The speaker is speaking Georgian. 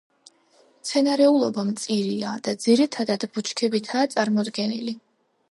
მცენარეულობა მწირია და ძირითადად ბუჩქებითაა წარმოდგენილი.